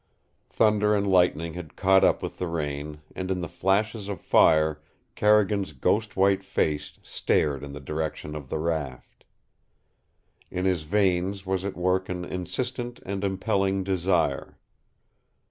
Thunder and lightning had caught up with the rain, and in the flashes of fire Carrigan's ghost white face stared in the direction of the raft. In his veins was at work an insistent and impelling desire.